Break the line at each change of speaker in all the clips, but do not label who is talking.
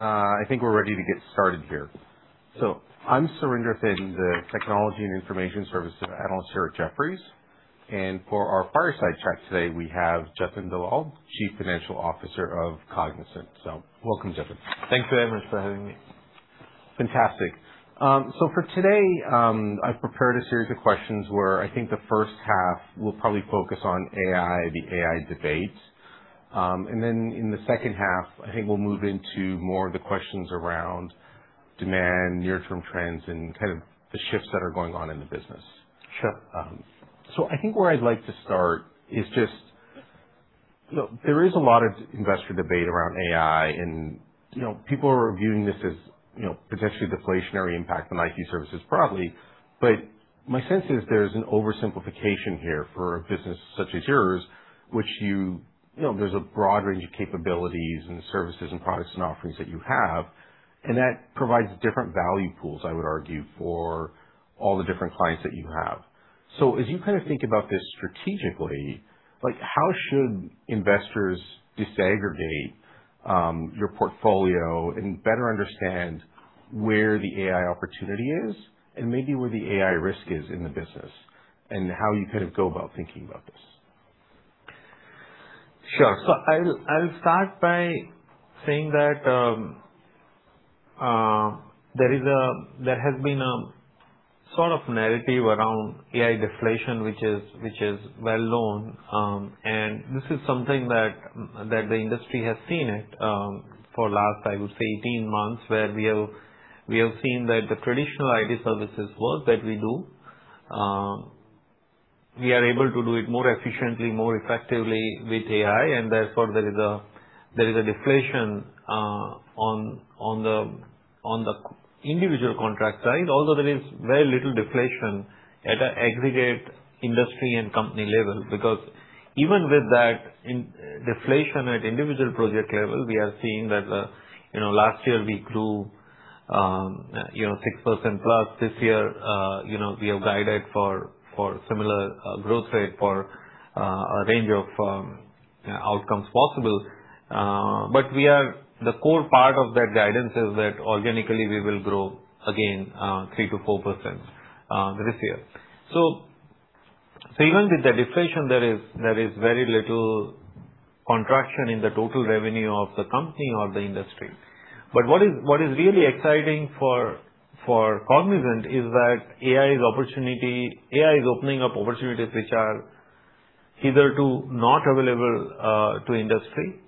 I think we're ready to get started here. I'm Surinder Thind, the Technology and Information Services Analyst here at Jefferies. For our fireside chat today, we have Jatin Dalal, Chief Financial Officer of Cognizant. Welcome, Jatin.
Thanks very much for having me.
Fantastic. For today, I've prepared a series of questions where I think the first half will probably focus on AI, the AI debate. Then in the second half, I think we'll move into more of the questions around demand, near-term trends, and kind of the shifts that are going on in the business.
Sure.
I think where I'd like to start is just there is a lot of investor debate around AI and people are viewing this as potentially deflationary impact on IT services broadly. My sense is there's an oversimplification here for a business such as yours, which there's a broad range of capabilities and services and products and offerings that you have, and that provides different value pools, I would argue, for all the different clients that you have. As you think about this strategically, how should investors disaggregate your portfolio and better understand where the AI opportunity is and maybe where the AI risk is in the business, and how you go about thinking about this?
Sure. I'll start by saying that there has been a sort of narrative around AI deflation, which is well known. This is something that the industry has seen it, for last, I would say 18 months, where we have seen that the traditional IT services work that we do, we are able to do it more efficiently, more effectively with AI. Therefore, there is a deflation on the individual contract side, although there is very little deflation at aggregate industry and company level. Even with that deflation at individual project level, we are seeing that last year we grew 6%+. This year we have guided for similar growth rate for a range of outcomes possible. The core part of that guidance is that organically we will grow again 3%-4% this year. Even with the deflation, there is very little contraction in the total revenue of the company or the industry. What is really exciting for Cognizant is that AI is opening up opportunities which are hitherto not available to industry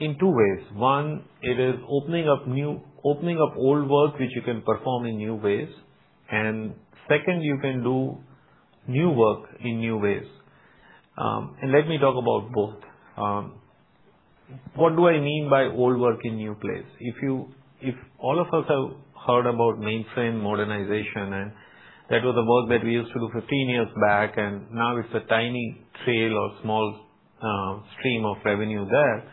in two ways. One, it is opening up old work which you can perform in new ways, and second, you can do new work in new ways. Let me talk about both. What do I mean by old work in new ways? All of us have heard about mainframe modernization, and that was the work that we used to do 15 years back, and now it's a tiny trail or small stream of revenue there.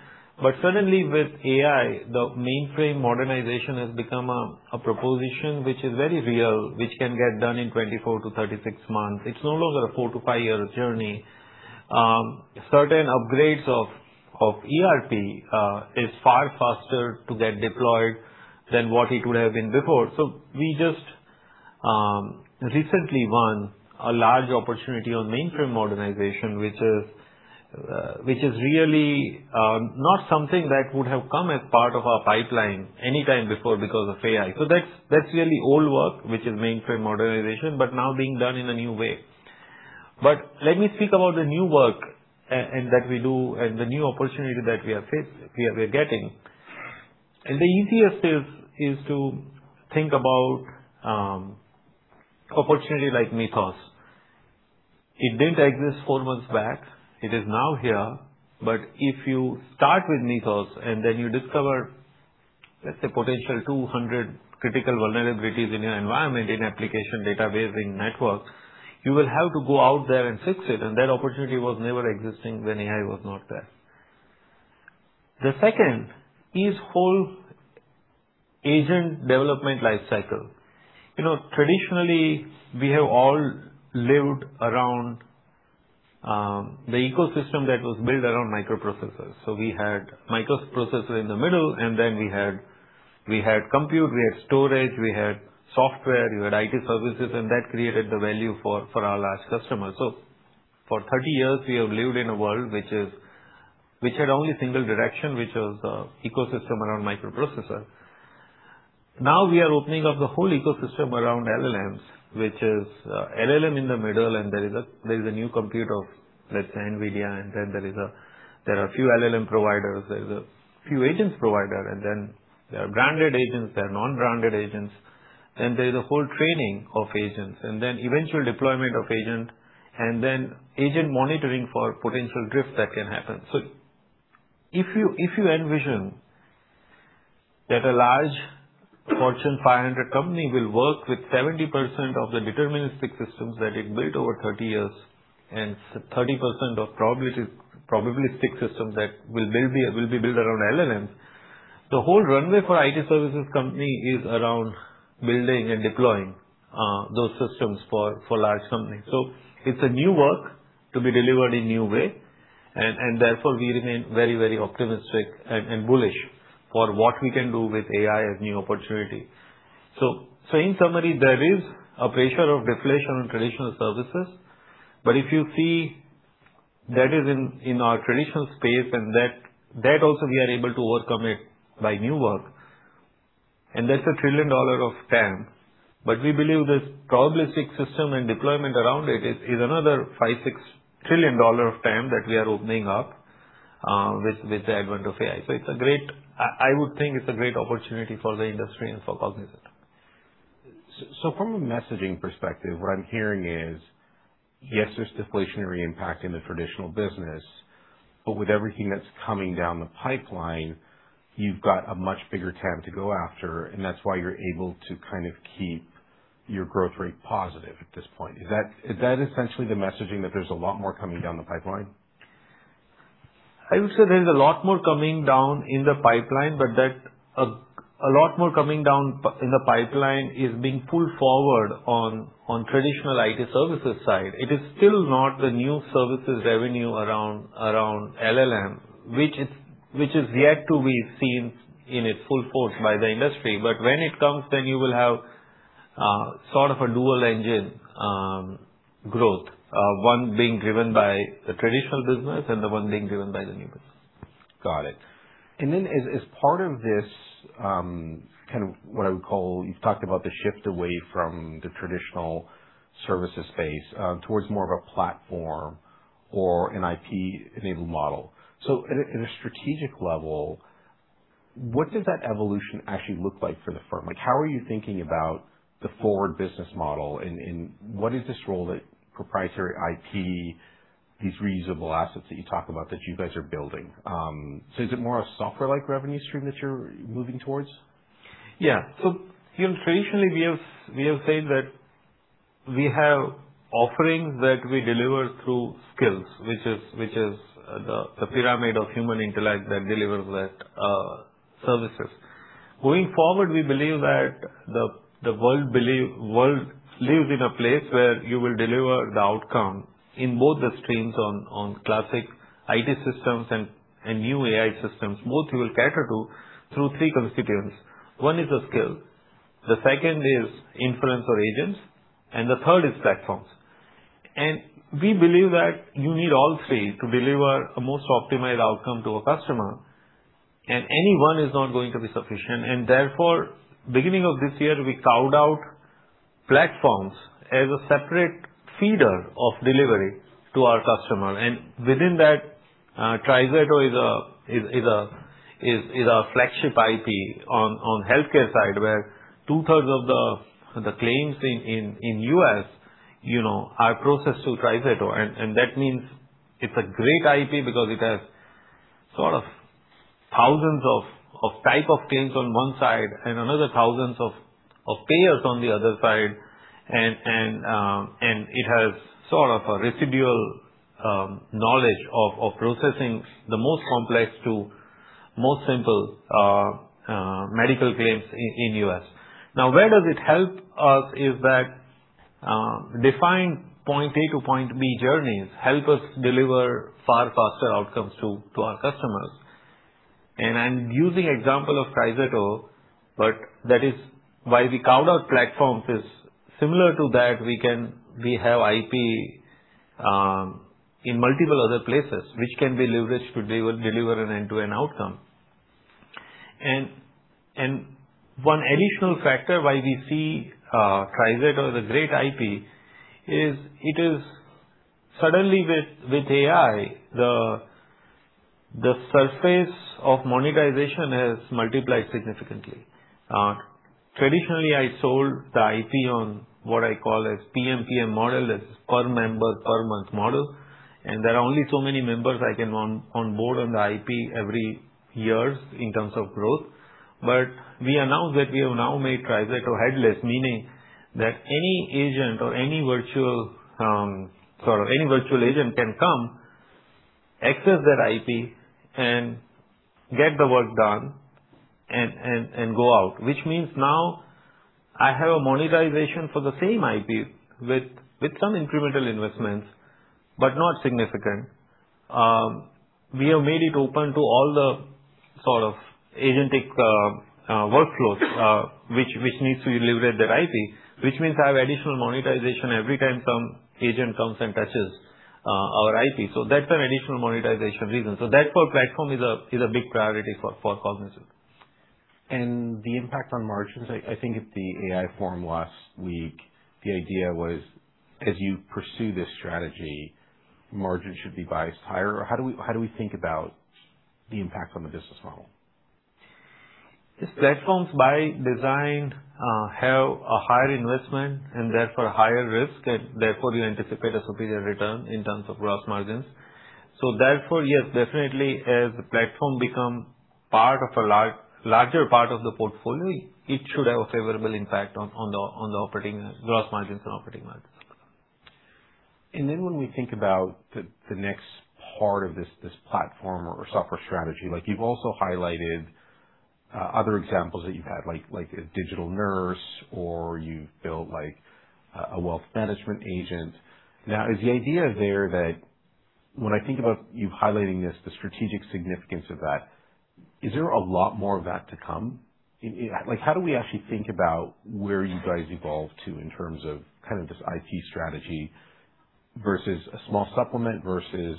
Suddenly with AI, the mainframe modernization has become a proposition which is very real, which can get done in 24-36 months. It's no longer a four to five-year journey. Certain upgrades of ERP is far faster to get deployed than what it would have been before. We just recently won a large opportunity on mainframe modernization, which is really not something that would have come as part of our pipeline anytime before because of AI. That's really old work, which is mainframe modernization, but now being done in a new way. Let me speak about the new work that we do and the new opportunity that we are getting. The easiest is to think about opportunity like Mythos. It didn't exist four months back. It is now here. If you start with Mythos and then you discover, let's say, potential 200 critical vulnerabilities in your environment, in application, database, in networks, you will have to go out there and fix it. That opportunity was never existing when AI was not there. The second is whole agent development life cycle. Traditionally, we have all lived around the ecosystem that was built around microprocessors. We had microprocessor in the middle, and then we had compute, we had storage, we had software, we had IT services, and that created the value for our large customers. For 30 years, we have lived in a world which had only single direction, which was the ecosystem around microprocessor. Now we are opening up the whole ecosystem around LLMs, which is LLM in the middle and there is a new compute of, let's say, NVIDIA, and then there are few LLM providers, there is a few agents provider, and then there are branded agents, there are non-branded agents, then there's a whole training of agents, and then eventual deployment of agent, and then agent monitoring for potential drift that can happen. If you envision that a large Fortune 500 company will work with 70% of the deterministic systems that it built over 30 years and 30% of probabilistic systems that will be built around LLMs, the whole runway for IT services company is around building and deploying those systems for large companies. It's a new work to be delivered in new way. Therefore, we remain very optimistic and bullish for what we can do with AI as new opportunity. In summary, there is a pressure of deflation on traditional services, but if you see that is in our traditional space and that also we are able to overcome it by new work, and that's a $1 trillion of TAM. We believe this probabilistic system and deployment around it is another $5 trillion-$6 trillion of TAM that we are opening up, with the advent of AI. I would think it's a great opportunity for the industry and for Cognizant.
From a messaging perspective, what I'm hearing is, yes, there's deflationary impact in the traditional business. With everything that's coming down the pipeline, you've got a much bigger TAM to go after, and that's why you're able to kind of keep your growth rate positive at this point. Is that essentially the messaging that there's a lot more coming down the pipeline?
I would say there is a lot more coming down in the pipeline, but that a lot more coming down in the pipeline is being pulled forward on traditional IT services side. It is still not the new services revenue around LLM, which is yet to be seen in its full force by the industry. When it comes, then you will have sort of a dual engine growth. One being driven by the traditional business and the one being driven by the new business.
Got it. Then as part of this, what I would call, you've talked about the shift away from the traditional services space, towards more of a platform or an IP-enabled model. At a strategic level, what does that evolution actually look like for the firm? How are you thinking about the forward business model and what is this role that proprietary IP, these reusable assets that you talk about, that you guys are building? Is it more a software-like revenue stream that you're moving towards?
Yeah. Traditionally we have said that we have offerings that we deliver through skills, which is the pyramid of human intellect that delivers that services. Going forward, we believe that the world lives in a place where you will deliver the outcome in both the streams on classic IT systems and new AI systems. Both you will cater to through three constituents. One is the skill, the second is inference or agents, and the third is platforms. We believe that you need all three to deliver a most optimized outcome to a customer, and any one is not going to be sufficient. Therefore, beginning of this year, we carved out platforms as a separate feeder of delivery to our customer. Within that, TriZetto is our flagship IP on healthcare side, where two-thirds of the claims in U.S. are processed through TriZetto. That means it's a great IP because it has sort of thousands of type of claims on one side and another thousands of payers on the other side, and it has sort of a residual knowledge of processing the most complex to most simple medical claims in U.S. Where does it help us is that, defined point A to point B journeys help us deliver far faster outcomes to our customers. I'm using example of TriZetto, but that is why we carved out platforms is similar to that. We have IP in multiple other places, which can be leveraged to deliver an end-to-end outcome. One additional factor why we see TriZetto as a great IP is it is suddenly with AI, the surface of monetization has multiplied significantly. Traditionally, I sold the IP on what I call as PMPM model, as per member per month model, there are only so many members I can onboard on the IP every years in terms of growth. We announced that we have now made TriZetto headless, meaning that any agent or any virtual agent can come access that IP and get the work done and go out, which means now I have a monetization for the same IP with some incremental investments, but not significant. We have made it open to all the agentic workflows, which needs to leverage that IP, which means I have additional monetization every time some agent comes and touches our IP. That's an additional monetization reason. Therefore, platform is a big priority for Cognizant.
The impact on margins, I think at the AI forum last week, the idea was as you pursue this strategy, margins should be biased higher. How do we think about the impact on the business model?
Platforms by design, have a higher investment and therefore higher risk, and therefore you anticipate a superior return in terms of gross margins. Therefore, yes, definitely as the platform become larger part of the portfolio, it should have a favorable impact on the gross margins and operating margins.
When we think about the next part of this platform or software strategy, like you've also highlighted other examples that you've had, like a digital nurse, or you've built a wealth management agent. Is the idea there that when I think about you highlighting this, the strategic significance of that, is there a lot more of that to come? How do we actually think about where you guys evolve to in terms of this IT strategy versus a small supplement versus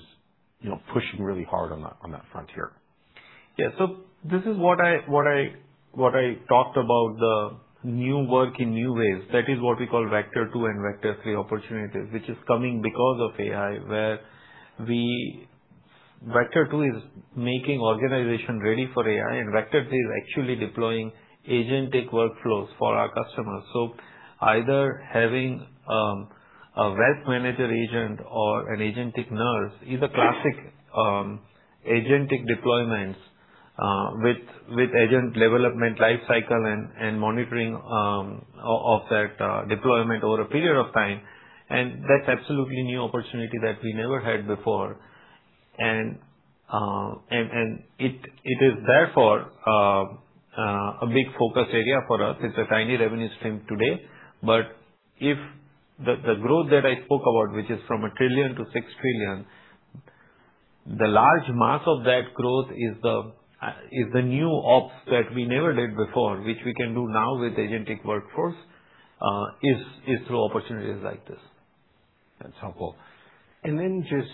pushing really hard on that frontier?
This is what I talked about, the new work in new ways. That is what we call Vector 2 and Vector 3 opportunities, which is coming because of AI, where Vector 2 is making organization ready for AI, and Vector 3 is actually deploying agentic workflows for our customers. Either having a wealth manager agent or an agentic nurse is a classic agentic deployments, with agent development lifecycle and monitoring of that deployment over a period of time, and that's absolutely new opportunity that we never had before. It is therefore a big focus area for us. It's a tiny revenue stream today, but if the growth that I spoke about, which is from a trillion to 6 trillion, the large mass of that growth is the new ops that we never did before, which we can do now with agentic workforce, is through opportunities like this.
That's helpful. Then just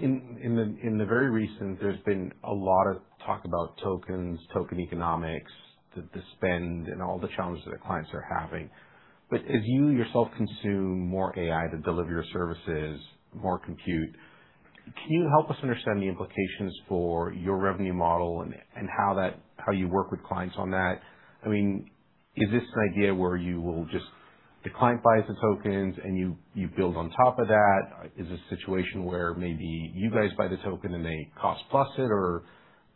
in the very recent, there's been a lot of talk about tokens, token economics, the spend, and all the challenges that clients are having. As you yourself consume more AI to deliver your services, more compute, can you help us understand the implications for your revenue model and how you work with clients on that? Is this an idea where you will just, the client buys the tokens and you build on top of that? Is this a situation where maybe you guys buy the token and they cost plus it? Or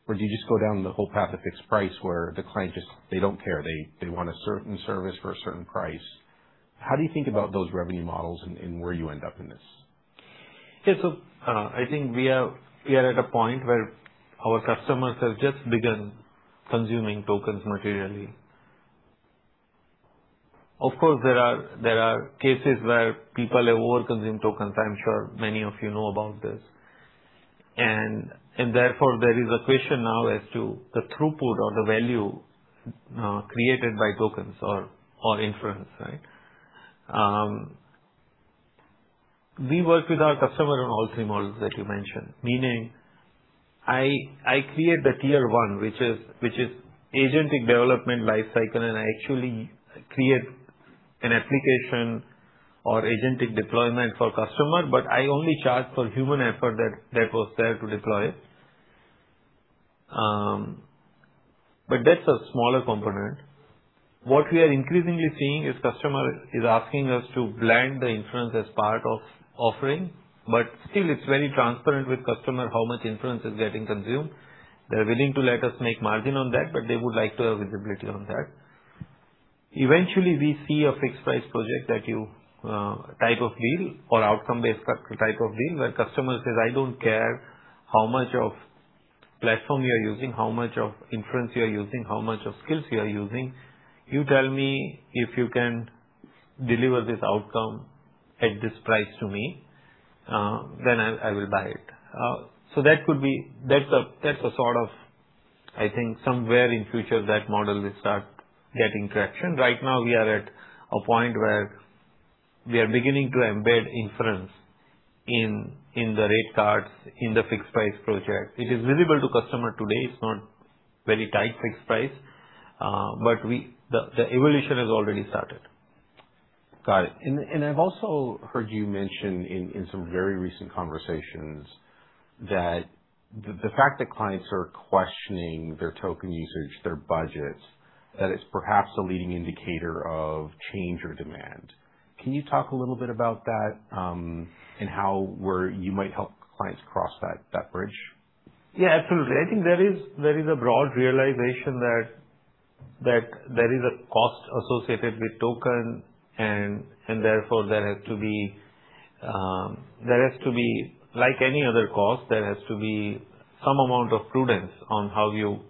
do you just go down the whole path of fixed price where the client just, they don't care, they want a certain service for a certain price? How do you think about those revenue models and where you end up in this?
Yeah. I think we are at a point where our customers have just begun consuming tokens materially. Of course, there are cases where people over-consume tokens. I'm sure many of you know about this. Therefore, there is a question now as to the throughput or the value created by tokens or inference, right? We work with our customer on all three models that you mentioned. Meaning I create the Tier 1, which is agentic development lifecycle, and I actually create an application or agentic deployment for customer, but I only charge for human effort that was there to deploy it. That's a smaller component. What we are increasingly seeing is customer is asking us to blend the inference as part of offering, but still it's very transparent with customer how much inference is getting consumed. They're willing to let us make margin on that, but they would like to have visibility on that. Eventually, we see a fixed price project that you type of deal or outcome-based type of deal where customer says, "I don't care how much of platform you're using, how much of inference you're using, how much of skills you're using. You tell me if you can deliver this outcome at this price to me, then I will buy it." That's a sort of, I think somewhere in future that model will start getting traction. Right now we are at a point where we are beginning to embed inference in the rate cards, in the fixed price project. It is visible to customer today. It's not very tight fixed price. The evolution has already started.
Got it. I've also heard you mention in some very recent conversations that the fact that clients are questioning their token usage, their budgets, that it's perhaps a leading indicator of change or demand. Can you talk a little bit about that, and how you might help clients cross that bridge?
Yeah, absolutely. I think there is a broad realization that there is a cost associated with token and therefore there has to be, like any other cost, there has to be some amount of prudence on how your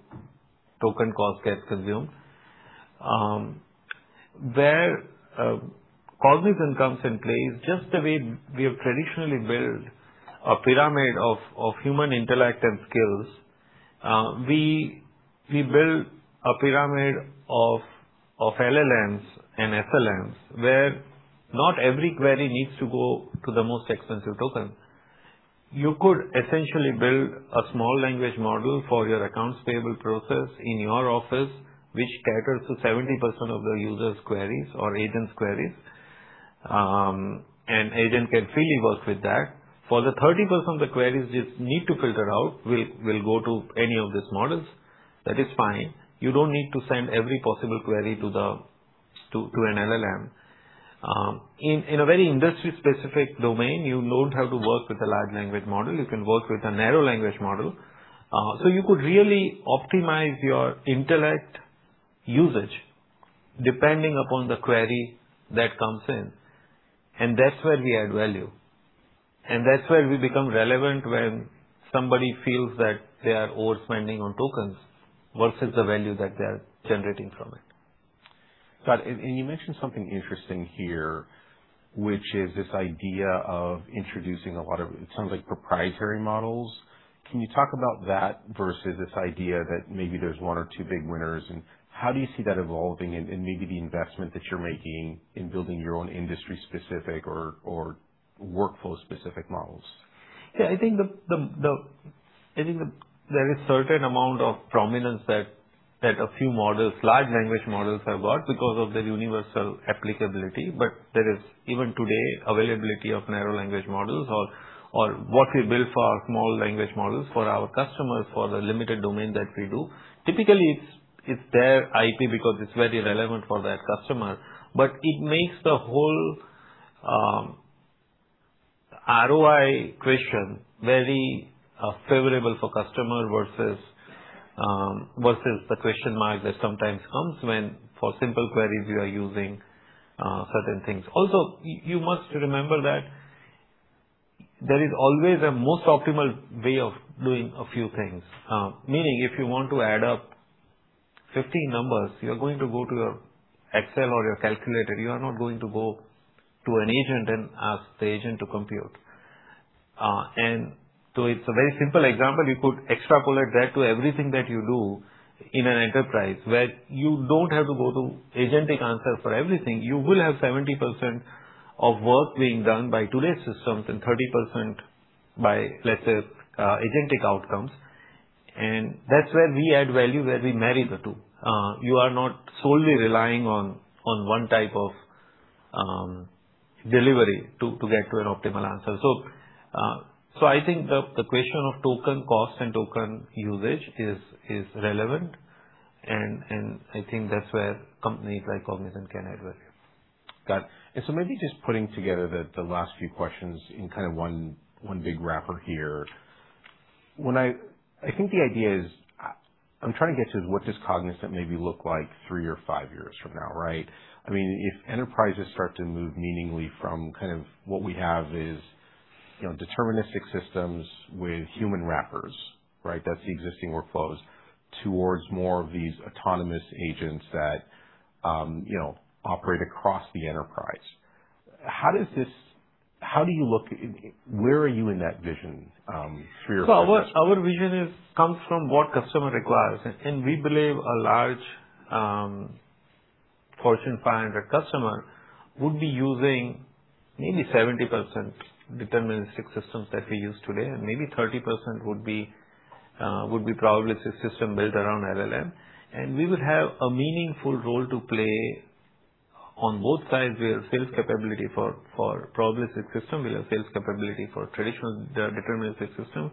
token cost gets consumed. Where Cognizant comes in play is just the way we have traditionally built a pyramid of human intellect and skills. We build a pyramid of LLMs and SLMs where not every query needs to go to the most expensive token. You could essentially build a small language model for your accounts payable process in your office, which caters to 70% of the user's queries or agent's queries. For the 30% of the queries you need to filter out will go to any of these models. That is fine. You don't need to send every possible query to an LLM. In a very industry-specific domain, you don't have to work with a large language model. You can work with a narrow language model. You could really optimize your intellect usage depending upon the query that comes in, and that's where we add value. And that's where we become relevant when somebody feels that they are overspending on tokens versus the value that they're generating from it.
Got it. You mentioned something interesting here, which is this idea of introducing a lot of, it sounds like, proprietary models. Can you talk about that versus this idea that maybe there's one or two big winners, and how do you see that evolving and maybe the investment that you're making in building your own industry-specific or workflow-specific models?
Yeah, I think there is certain amount of prominence that a few models, Large Language Models, have got because of their universal applicability. There is, even today, availability of narrow language models or what we build for our Small Language Models, for our customers, for the limited domain that we do. Typically, it's their IP because it's very relevant for that customer. But it makes the whole ROI question very favorable for customer versus the question mark that sometimes comes when, for simple queries, we are using certain things. Also, you must remember that there is always a most optimal way of doing a few things. Meaning, if you want to add up 15 numbers, you're going to go to your Excel or your calculator. You are not going to go to an agent and ask the agent to compute. It's a very simple example. You could extrapolate that to everything that you do in an enterprise, where you don't have to go to agentic answer for everything. You will have 70% of work being done by today's systems and 30% by, let's say, agentic outcomes. That's where we add value, where we marry the two. You are not solely relying on one type of delivery to get to an optimal answer. I think the question of token cost and token usage is relevant, and I think that's where companies like Cognizant can add value.
Got it. Maybe just putting together the last few questions in one big wrapper here. I think the idea I'm trying to get to is what does Cognizant maybe look like three or five years from now, right? If enterprises start to move meaningfully from what we have is deterministic systems with human wrappers, right? That's the existing workflows, towards more of these autonomous agents that operate across the enterprise. Where are you in that vision three or five years?
Our vision comes from what customer requires. We believe a large Fortune 500 customer would be using maybe 70% deterministic systems that we use today, and maybe 30% would be probabilistic system built around LLM. We would have a meaningful role to play on both sides. We have sales capability for probabilistic system, we have sales capability for traditional deterministic system.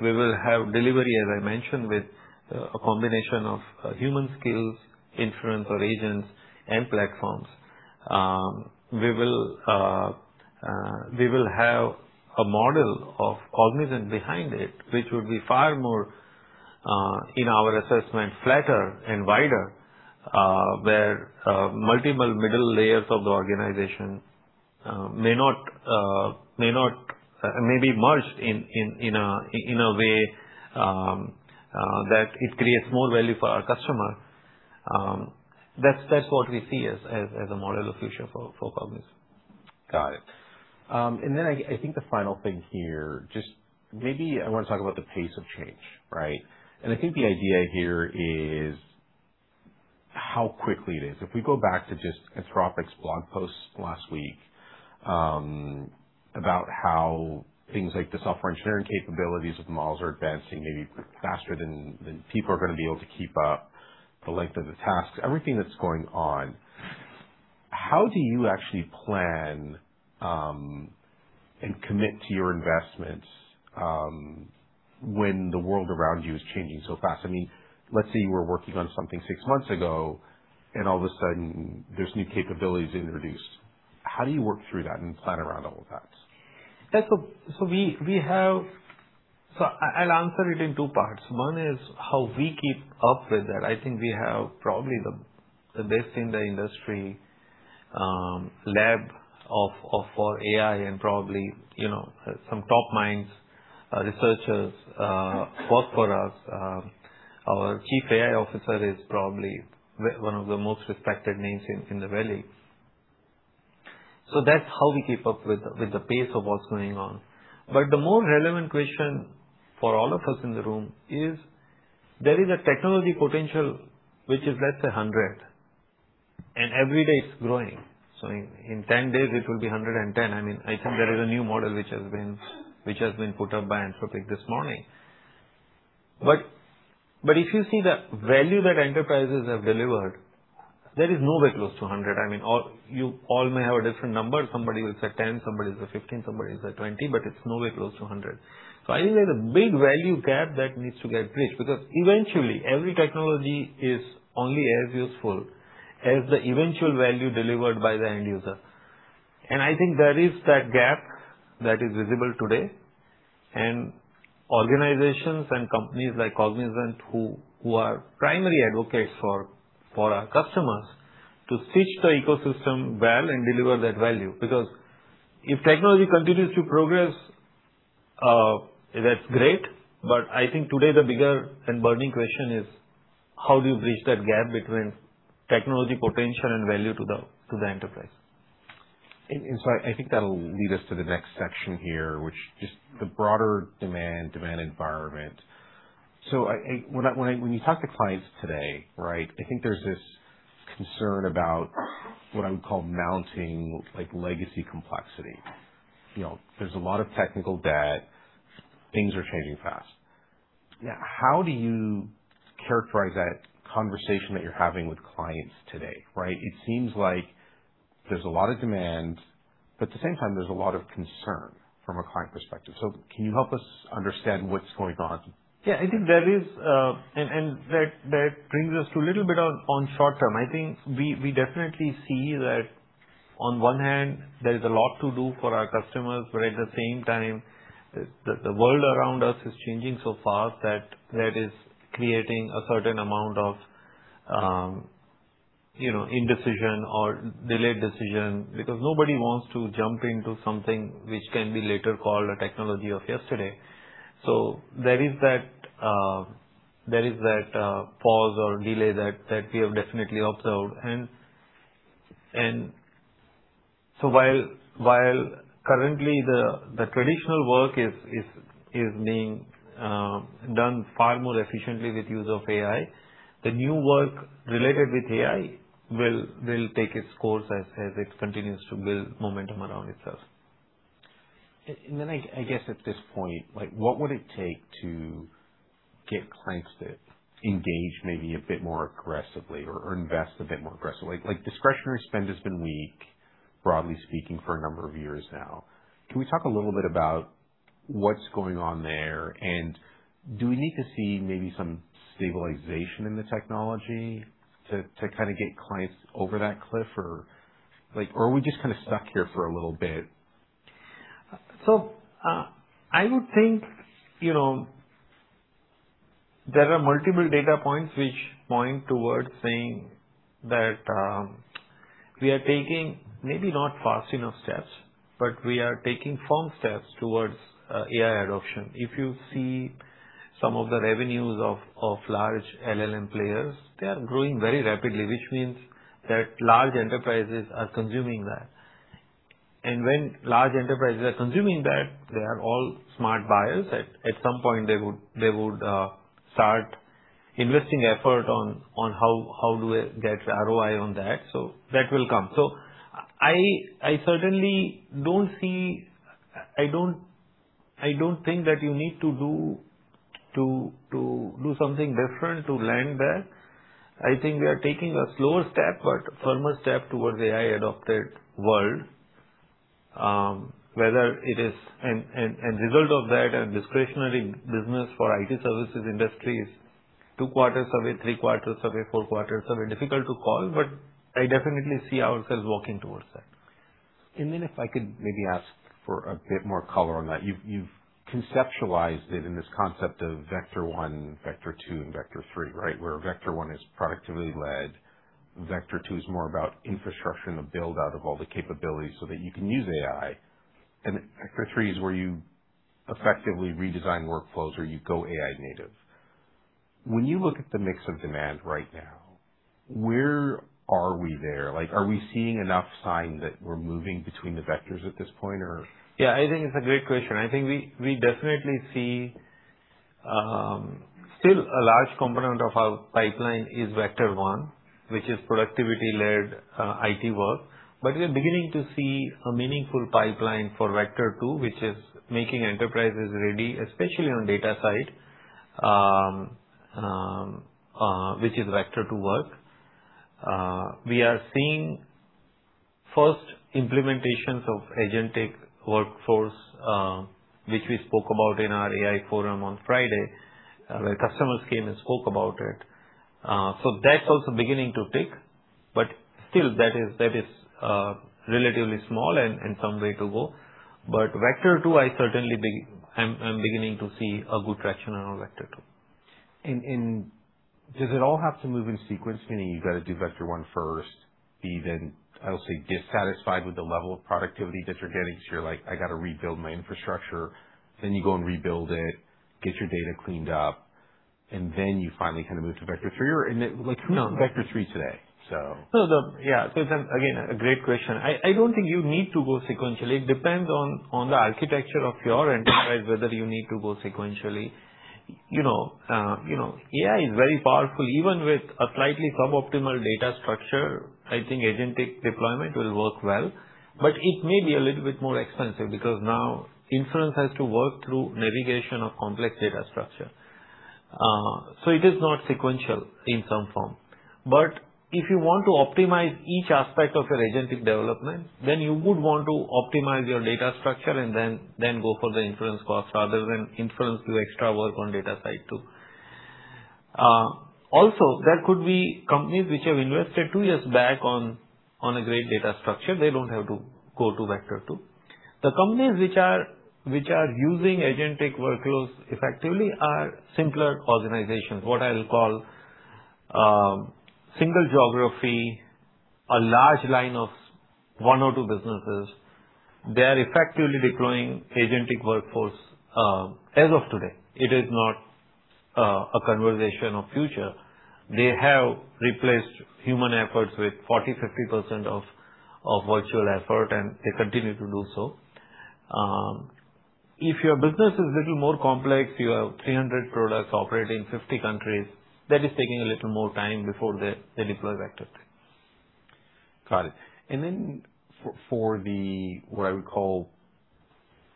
We will have delivery, as I mentioned, with a combination of human skills, inference or agents, and platforms. We will have a model of Cognizant behind it, which would be far more, in our assessment, flatter and wider, where multiple middle layers of the organization may be merged in a way that it creates more value for our customer. That's what we see as a model of future for Cognizant.
Got it. I think the final thing here, just maybe I want to talk about the pace of change, right? I think the idea here is how quickly it is. If we go back to just Anthropic's blog post last week, about how things like the software engineering capabilities of models are advancing maybe faster than people are going to be able to keep up, the length of the tasks, everything that's going on. How do you actually plan, and commit to your investments when the world around you is changing so fast? Let's say you were working on something six months ago, and all of a sudden there's new capabilities introduced. How do you work through that and plan around all of that?
I'll answer it in two parts. One is how we keep up with that. I think we have probably the best in the industry lab for AI and probably some top minds, researchers, work for us. Our chief AI officer is probably one of the most respected names in the valley. That's how we keep up with the pace of what's going on. The more relevant question for all of us in the room is, there is a technology potential, which is, let's say, 100, and every day it's growing. In 10 days it will be 110. I think there is a new model which has been put up by Anthropic this morning. If you see the value that enterprises have delivered, that is nowhere close to 100. You all may have a different number. Somebody will say 10, somebody will say 15, somebody will say 20, but it's nowhere close to 100. I think there's a big value gap that needs to get bridged, because eventually, every technology is only as useful as the eventual value delivered by the end user. I think there is that gap that is visible today. Organizations and companies like Cognizant who are primary advocates for our customers to stitch the ecosystem well and deliver that value. If technology continues to progress, that's great. I think today the bigger and burning question is, how do you bridge that gap between technology potential and value to the enterprise?
In fact, I think that'll lead us to the next section here, which just the broader demand environment. When you talk to clients today, right, I think there's this concern about what I would call mounting legacy complexity. There's a lot of technical debt. Things are changing fast. How do you characterize that conversation that you're having with clients today, right? It seems like there's a lot of demand, at the same time, there's a lot of concern from a client perspective. Can you help us understand what's going on?
Yeah, I think there is. That brings us to a little bit on short-term. I think we definitely see that on one hand, there is a lot to do for our customers, but at the same time, the world around us is changing so fast that that is creating a certain amount of indecision or delayed decision because nobody wants to jump into something which can be later called a technology of yesterday. There is that pause or delay that we have definitely observed. While currently the traditional work is being done far more efficiently with use of AI, the new work related with AI will take its course as it continues to build momentum around itself.
I guess at this point, what would it take to get clients to engage maybe a bit more aggressively or invest a bit more aggressively? Discretionary spend has been weak, broadly speaking, for a number of years now. Can we talk a little bit about what's going on there, and do we need to see maybe some stabilization in the technology to get clients over that cliff or are we just stuck here for a little bit?
I would think there are multiple data points which point towards saying that we are taking maybe not fast enough steps, but we are taking firm steps towards AI adoption. If you see some of the revenues of large LLM players, they are growing very rapidly, which means that large enterprises are consuming that. When large enterprises are consuming that, they are all smart buyers. At some point, they would start investing effort on how do I get ROI on that. That will come. I certainly don't think that you need to do something different to land that. I think we are taking a slower step but firmer step towards AI-adopted world, and result of that and discretionary business for IT services industry is two quarters away, three quarters away, four quarters away, difficult to call, but I definitely see ourselves walking towards that.
If I could maybe ask for a bit more color on that. You've conceptualized it in this concept of Vector 1, Vector 2, and Vector 3, right? Where Vector 1 is productivity-led. Vector 2 is more about infrastructure and the build-out of all the capabilities so that you can use AI. Vector 3 is where you effectively redesign workflows or you go AI native. When you look at the mix of demand right now, where are we there? Are we seeing enough signs that we're moving between the vectors at this point or?
I think it's a great question. I think we definitely see still a large component of our pipeline is Vector 1, which is productivity-led IT work. We're beginning to see a meaningful pipeline for vector two, which is making enterprises ready, especially on data side, which is Vector 2 work. We are seeing first implementations of agentic workforce which we spoke about in our AI forum on Friday, where customers came and spoke about it. That's also beginning to pick, but still that is relatively small and some way to go. Vector 2, I certainly am beginning to see a good traction on Vector 2.
Does it all have to move in sequence, meaning you've got to do Vector 1 first, I don't want to say dissatisfied with the level of productivity that you're getting, so you're like, "I got to rebuild my infrastructure." You go and rebuild it, get your data cleaned up, and then you finally move to Vector 3 or who's on Vector 3 today?
Again, a great question. I don't think you need to go sequentially. It depends on the architecture of your enterprise, whether you need to go sequentially. AI is very powerful. Even with a slightly suboptimal data structure, I think agentic deployment will work well, but it may be a little bit more expensive because now inference has to work through navigation of complex data structure. It is not sequential in some form. If you want to optimize each aspect of your agentic development, then you would want to optimize your data structure and then go for the inference cost rather than inference do extra work on data side too. Also, there could be companies which have invested two years back on a great data structure. They don't have to go to Vector 2. The companies which are using agentic workloads effectively are simpler organizations, what I'll call single geography, a large line of one or two businesses. They are effectively deploying agentic workforce as of today. It is not a conversation of future. They have replaced human efforts with 40%-50% of virtual effort, and they continue to do so. If your business is little more complex, you have 300 products operating in 50 countries, that is taking a little more time before they deploy Vector 3.
Got it. For the, what I would call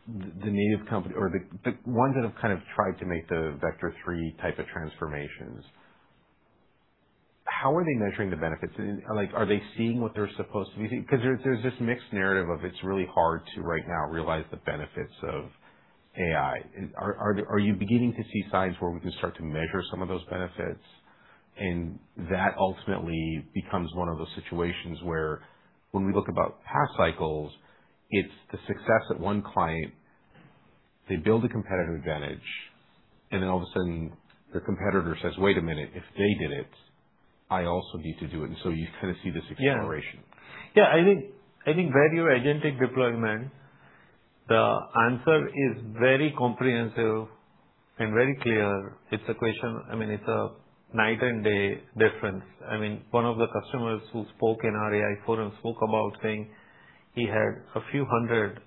the native company or the ones that have tried to make the Vector 3 type of transformations, how are they measuring the benefits? Are they seeing what they are supposed to be seeing? Because there is this mixed narrative of it is really hard to right now realize the benefits of AI. Are you beginning to see signs where we can start to measure some of those benefits? That ultimately becomes one of those situations where when we look about past cycles, it is the success at one client. They build a competitive advantage, and then all of a sudden their competitor says, "Wait a minute, if they did it, I also need to do it." You kind of see this exploration.
Yeah. Where your agentic deployment, the answer is very comprehensive and very clear. It is a night and day difference. One of the customers who spoke in our AI forum spoke about saying he had a few hundred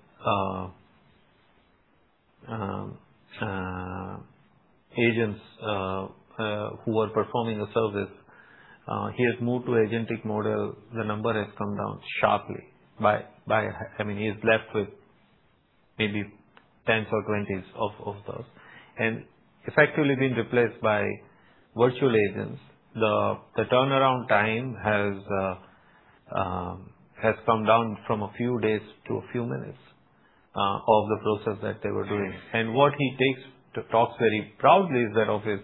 agents who were performing a service. He has moved to agentic model. The number has come down sharply. He is left with maybe tens or twenties of those, and effectively been replaced by virtual agents. The turnaround time has come down from a few days to a few minutes of the process that they were doing. What he talks very proudly is that of his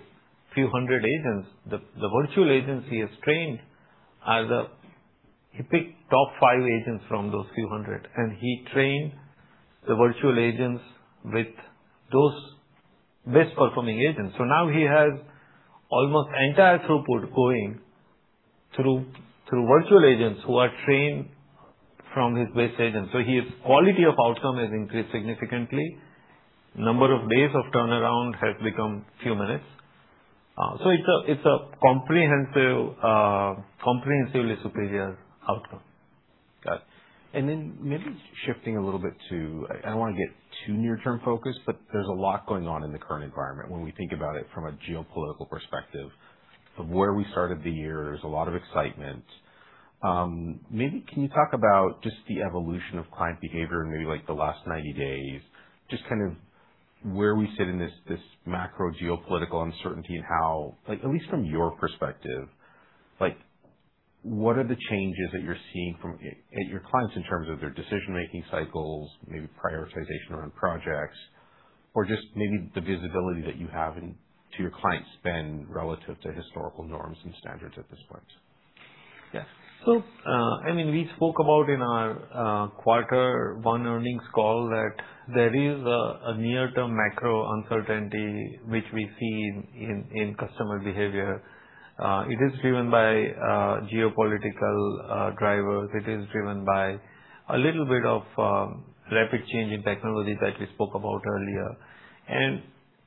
few hundred agents, the virtual agents he has trained are the he picked top five agents from those few hundred, and he trained the virtual agents with those best performing agents. So now he has almost entire throughput going through virtual agents who are trained from his base agents. So his quality of outcome has increased significantly. Number of days of turnaround has become few minutes. So it is a comprehensively superior outcome.
Got it. Maybe shifting a little bit to, I do not want to get too near term focused, but there is a lot going on in the current environment when we think about it from a geopolitical perspective of where we started the year. There is a lot of excitement. Maybe can you talk about just the evolution of client behavior in maybe the last 90 days, just where we sit in this macro geopolitical uncertainty and how, at least from your perspective, what are the changes that you are seeing at your clients in terms of their decision-making cycles, maybe prioritization around projects or just maybe the visibility that you have to your client spend relative to historical norms and standards at this point?
Yes. We spoke about in our quarter one earnings call that there is a near term macro uncertainty which we see in customer behavior. It is driven by geopolitical drivers. It is driven by a little bit of rapid change in technology that we spoke about earlier.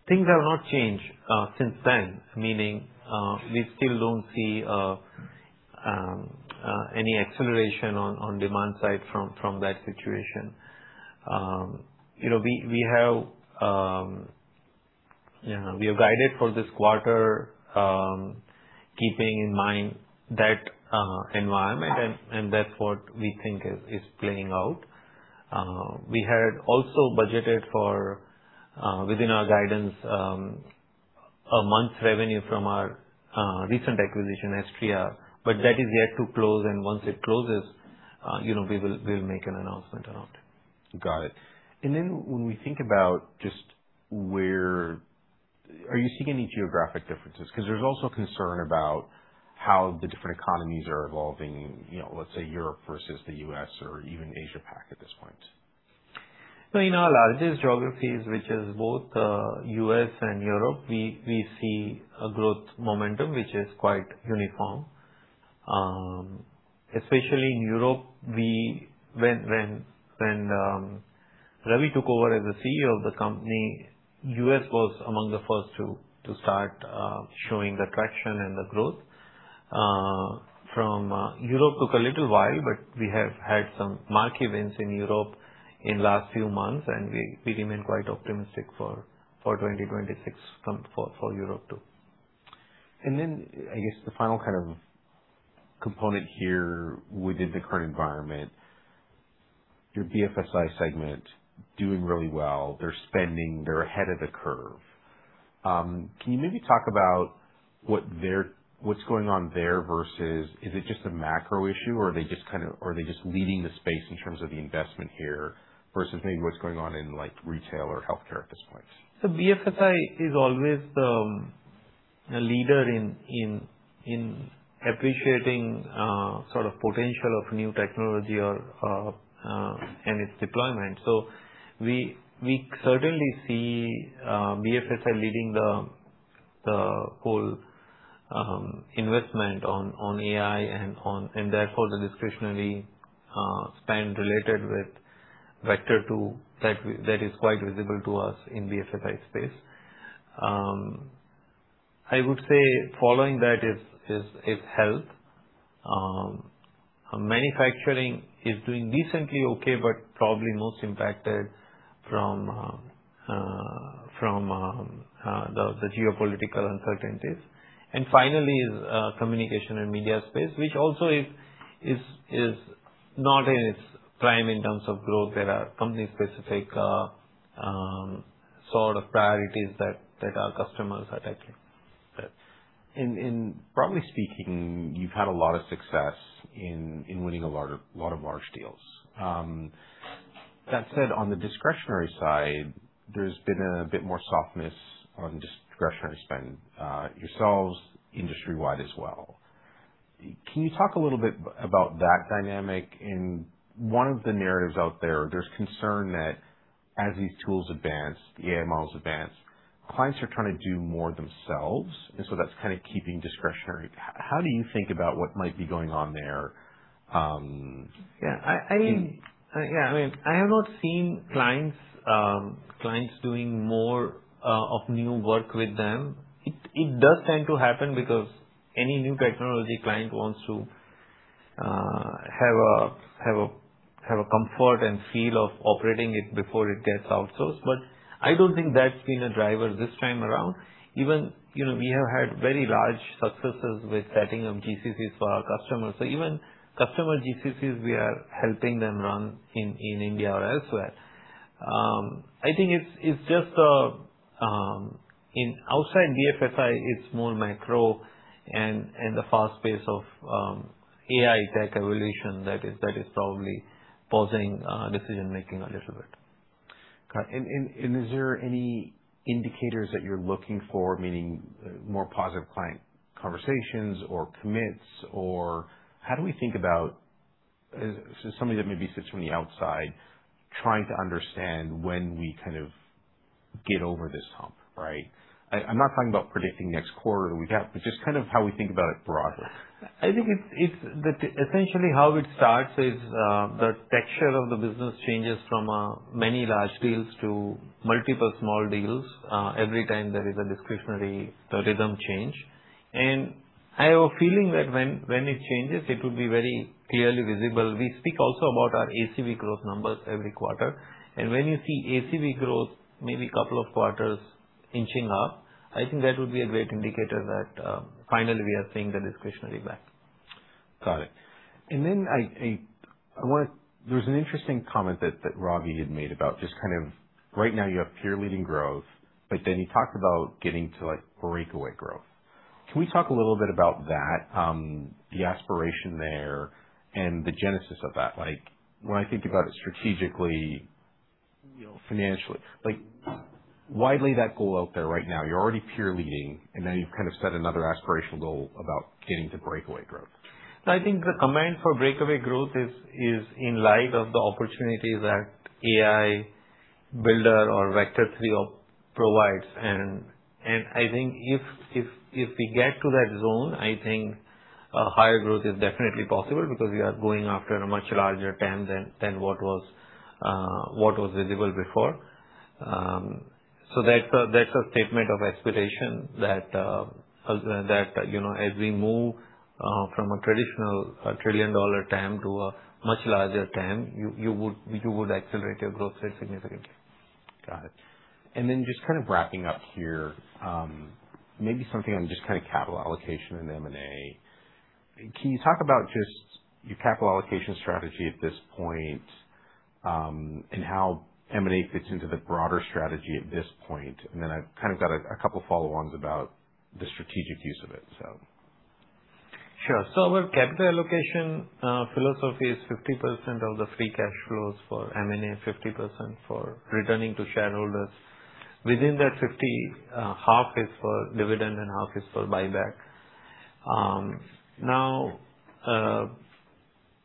Things have not changed since then, meaning, we still don't see any acceleration on demand side from that situation. We have guided for this quarter, keeping in mind that environment and that's what we think is playing out. We had also budgeted for within our guidance, a month revenue from our recent acquisition, Astreya, but that is yet to close, and once it closes, we'll make an announcement around.
Got it. When we think about just are you seeing any geographic differences? Because there's also concern about how the different economies are evolving in, let's say, Europe versus the U.S. or even Asia Pac at this point.
In our largest geographies, which is both U.S. and Europe, we see a growth momentum, which is quite uniform. Especially in Europe, when Ravi took over as the CEO of the company, U.S. was among the first to start showing the traction and the growth. From Europe took a little while, but we have had some mark events in Europe in last few months, and we remain quite optimistic for 2026 for Europe too.
I guess the final component here within the current environment, your BFSI segment doing really well. They're spending, they're ahead of the curve. Can you maybe talk about what's going on there versus is it just a macro issue or are they just leading the space in terms of the investment here versus maybe what's going on in retail or healthcare at this point?
BFSI is always a leader in appreciating potential of new technology and its deployment. We certainly see BFSI leading the whole investment on AI, and therefore the discretionary spend related with Vector 2 that is quite visible to us in BFSI space. I would say following that is Health. Manufacturing is doing decently okay, but probably most impacted from the geopolitical uncertainties. Finally, is communication and media space, which also is not in its prime in terms of growth. There are company specific priorities that our customers are tackling.
Broadly speaking, you've had a lot of success in winning a lot of large deals. That said, on the discretionary side, there's been a bit more softness on discretionary spend, yourselves, industry-wide as well. Can you talk a little bit about that dynamic? In one of the narratives out there's concern that as these tools advance, the AI models advance, clients are trying to do more themselves, that's keeping discretionary. How do you think about what might be going on there?
Yeah. I have not seen clients doing more of new work with them. It does tend to happen because any new technology, client wants to have a comfort and feel of operating it before it gets outsourced, but I don't think that's been a driver this time around. We have had very large successes with setting up GCCs for our customers. Even customer GCCs, we are helping them run in India or elsewhere. I think it's just in outside BFSI, it's more micro and the fast pace of AI tech evolution that is probably pausing decision-making a little bit.
Got it. Is there any indicators that you're looking for, meaning more positive client conversations or commits, or how do we think about somebody that maybe sits from the outside trying to understand when we get over this hump, right? I'm not talking about predicting next quarter or week, but just how we think about it broadly.
I think essentially how it starts is the texture of the business changes from many large deals to multiple small deals every time there is a discretionary rhythm change. I have a feeling that when it changes, it will be very clearly visible. We speak also about our ACV growth numbers every quarter. When you see ACV growth maybe couple of quarters inching up, I think that would be a great indicator that finally we are seeing the discretionary back.
Got it. There's an interesting comment that Ravi had made. Right now you have peer-leading growth, but then he talked about getting to breakaway growth. Can we talk a little bit about that, the aspiration there and the genesis of that? When I think about it strategically, financially. Why lay that goal out there right now? You're already peer leading, and now you've set another aspirational goal about getting to breakaway growth.
I think the comment for breakaway growth is in light of the opportunities that AI Builder or Vector 3 provides. I think if we get to that zone, I think a higher growth is definitely possible because we are going after a much larger TAM than what was visible before. That's a statement of aspiration that as we move from a traditional trillion-dollar TAM to a much larger TAM, you would accelerate your growth rate significantly.
Got it. Then just wrapping up here. Maybe something on just capital allocation and M&A. Can you talk about just your capital allocation strategy at this point, and how M&A fits into the broader strategy at this point? Then I've got a couple follow-ons about the strategic use of it.
Sure. Our capital allocation philosophy is 50% of the free cash flows for M&A, 50% for returning to shareholders. Within that 50, half is for dividend and half is for buyback.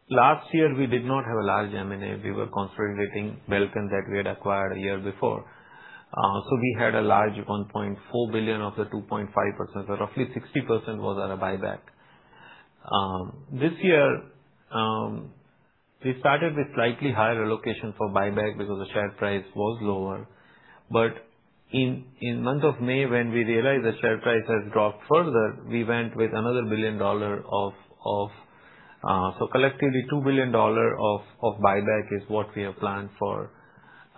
Last year we did not have a large M&A. We were consolidating Belcan that we had acquired a year before. We had a large $1.4 billion of the 2.5%, roughly 60% was on a buyback. This year, we started with slightly higher allocation for buyback because the share price was lower. In month of May, when we realized the share price has dropped further, we went with another $1 billion. Collectively $2 billion of buyback is what we have planned for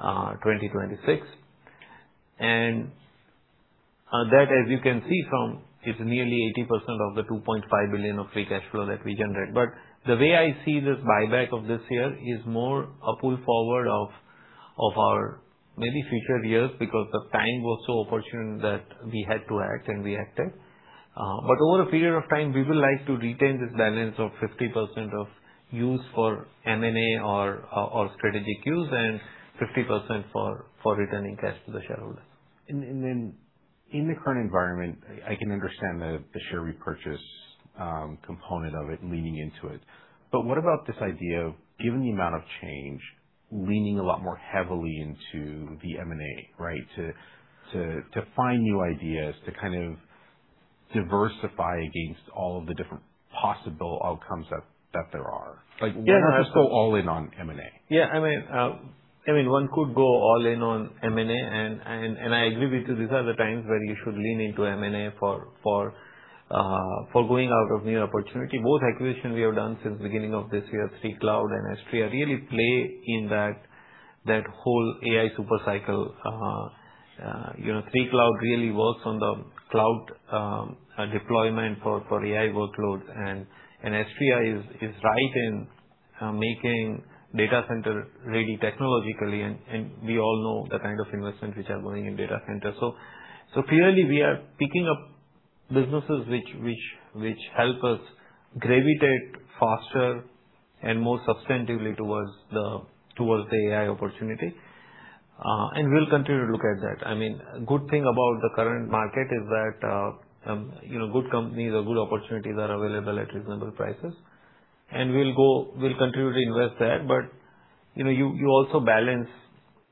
2026. That, as you can see from, is nearly 80% of the $2.5 billion of free cash flow that we generate. The way I see this buyback of this year is more a pull forward of our maybe future years because the time was so opportune that we had to act and we acted. Over a period of time, we will like to retain this balance of 50% of use for M&A or strategic use and 50% for returning cash to the shareholders.
In the current environment, I can understand the share repurchase component of it leading into it. What about this idea of, given the amount of change, leaning a lot more heavily into the M&A, right? To find new ideas, to kind of diversify against all of the different possible outcomes that there are. Like, why not just go all in on M&A?
Yeah. One could go all in on M&A, and I agree with you, these are the times where you should lean into M&A for going out of new opportunity. Both acquisitions we have done since beginning of this year, 3Cloud and Astreya, really play in that whole AI super cycle. 3Cloud really works on the cloud deployment for AI workloads, and Astreya is right in making data center ready technologically, and we all know the kind of investments which are going in data center. Clearly, we are picking up businesses which help us gravitate faster and more substantively towards the AI opportunity. We'll continue to look at that. Good thing about the current market is that good companies or good opportunities are available at reasonable prices. We'll continue to invest there. You also balance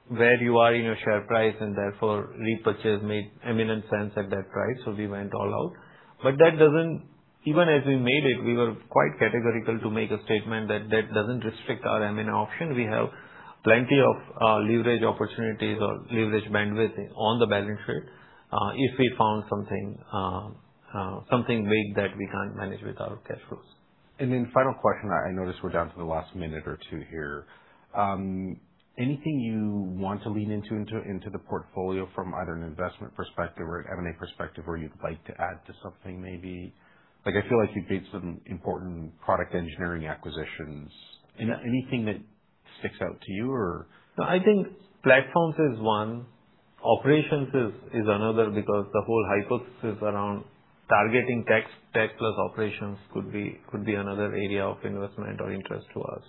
where you are in your share price, therefore repurchase made eminent sense at that price, we went all out. Even as we made it, we were quite categorical to make a statement that that doesn't restrict our M&A option. We have plenty of leverage opportunities or leverage bandwidth on the balance sheet if we found something big that we can't manage with our cash flows.
Final question. I noticed we're down to the last minute or two here. Anything you want to lean into the portfolio from either an investment perspective or an M&A perspective where you'd like to add to something maybe? I feel like you've made some important product engineering acquisitions. Anything that sticks out to you, or?
No, I think platforms is one. Operations is another because the whole hypothesis around targeting tech plus operations could be another area of investment or interest to us.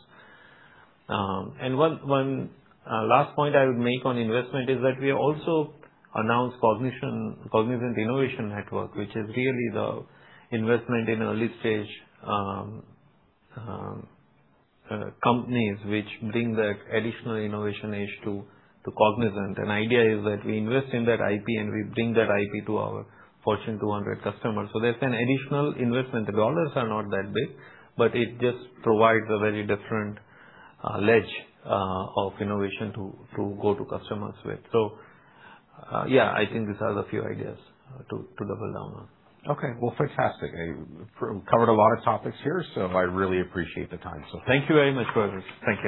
One last point I would make on investment is that we also announced Cognizant Innovation Network, which is really the investment in early stage companies, which bring that additional innovation edge to Cognizant. Idea is that we invest in that IP, and we bring that IP to our Fortune 200 customers. That's an additional investment. The dollars are not that big, but it just provides a very different ledge of innovation to go to customers with. Yeah, I think these are the few ideas to double down on.
Okay. Well, fantastic. We've covered a lot of topics here, I really appreciate the time.
Thank you very much, [Robert]. Thank you.